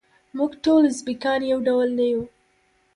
موږ ټول ازبیکان یو ډول نه یوو.